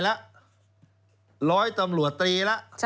ร้อยตำรวจตี